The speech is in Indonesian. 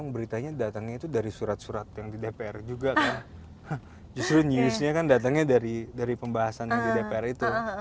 beritanya datangnya itu dari surat surat yang di dpr juga kan justru newsnya kan datangnya dari dari pembahasan di dpr itu